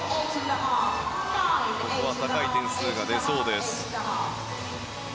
ここは高い点数が出そうです。